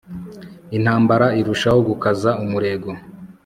intambara irushaho gukaza umurego